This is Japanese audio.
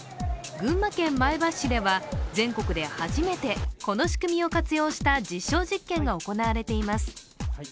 群馬県前橋市では全国で初めてこの仕組みを活用した実証実験が行われています。